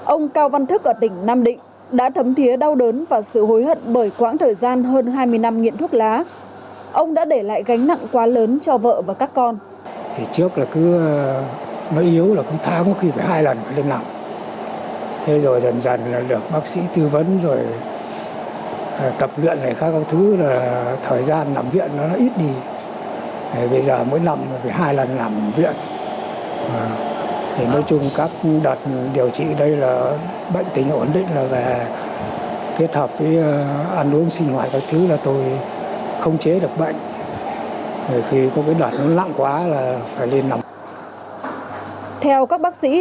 ông cao văn thức ở tỉnh nam định đã thấm thiế đau đớn và sự hối hận bởi quãng thời gian hơn hai mươi năm nghiện thuốc lá